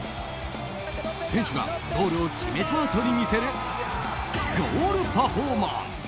選手がゴールを決めたあとに見せるゴールパフォーマンス。